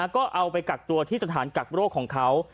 ก็เอาไปกักตัวที่สถานกักโรคของเขา